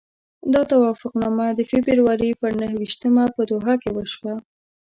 دا توافقنامه د فبروري پر نهه ویشتمه په دوحه کې وشوه.